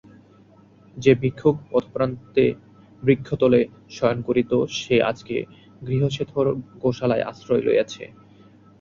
যে ভিক্ষুক পথপ্রান্তে বৃক্ষতলে শয়ন করিত সে আজ গৃহসেথর গোশালায় আশ্রয় লইয়াছে।